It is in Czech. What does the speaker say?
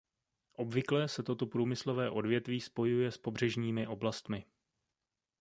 Obvykle se toto průmyslové odvětví spojuje s pobřežními oblastmi.